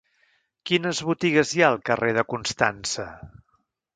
Quines botigues hi ha al carrer de Constança?